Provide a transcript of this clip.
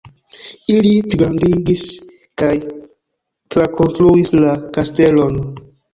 Ili pligrandigis kaj trakonstruis la kastelon.